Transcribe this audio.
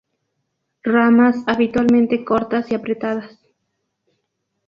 Ramas habitualmente cortas y apretadas.